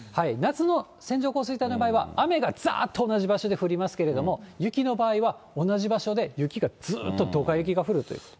夏の線状降水帯の場合は雨がざーっと同じ場所で降りますけれども、雪の場合は同じ場所で雪がずっとどか雪が降るという。